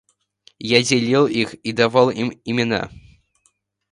Я делил их и давал им имена.